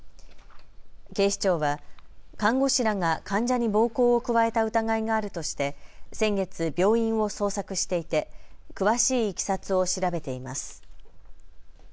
警視庁は看護師らが患者に暴行を加えた疑いがあるとして先月、病院を捜索していて詳しいいきさつを調べています。